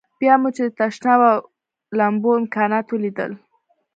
بیا مو چې د تشناب او لمبو امکانات ولیدل.